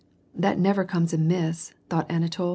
" That never comes amiss," thought Anatol.